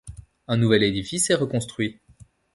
Un nouvel édifice est reconstruit.